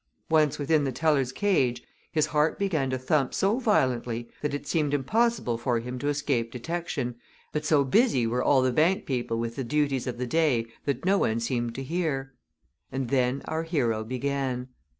Once within the teller's cage his heart began to thump so violently that it seemed impossible for him to escape detection, but so busy were all the bank people with the duties of the day that no one seemed to hear. And then our hero began.